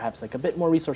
dan semua itu benar